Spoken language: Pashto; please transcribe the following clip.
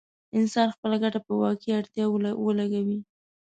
انسان خپله ګټه په واقعي اړتياوو ولګوي.